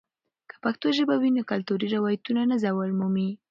که پښتو ژبه وي، نو کلتوري روایتونه نه زوال مومي.